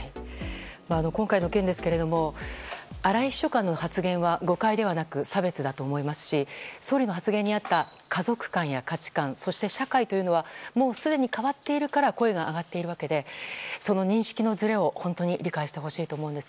今回の件ですが荒井秘書官の発言は誤解ではなく差別だと思いますし総理の発言にあった家族感や価値観そして、社会というのはもうすでに変わっているから声が上がっているわけで認識のずれを本当に理解してほしいと思います。